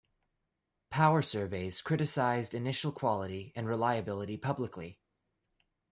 Power surveys criticised initial quality and reliability publicly.